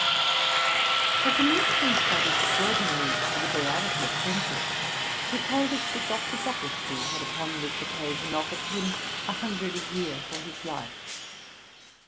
As an instance of extraordinary liberality of friendship, he told us, that Dr. Brocklesby had upon this occasion offered him a hundred a year for his life.